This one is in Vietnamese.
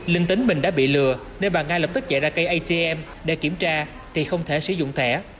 linh tính mình đã bị lừa nên bà nga lập tức dạy ra cây atm để kiểm tra thì không thể sử dụng thẻ